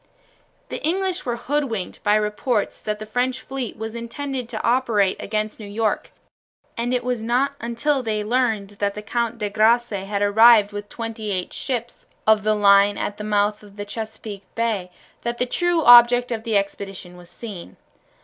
The English were hoodwinked by reports that the French fleet was intended to operate against New York, and it was not until they learned that the Count de Grasse had arrived with twenty eight ships of the line at the mouth of the Chesapeake Bay that the true object of the expedition was seen.